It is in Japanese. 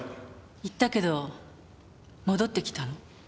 行ったけど戻ってきたの。